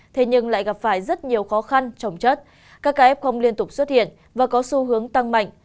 thế nhưng lại gặp phải rất nhiều khó khăn trồng chất các ca f không liên tục xuất hiện và có xu hướng tăng mạnh